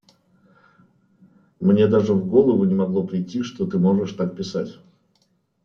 Мне даже в голову не могло прийти, что ты можешь так писать.